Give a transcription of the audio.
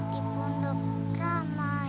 di pondok ramai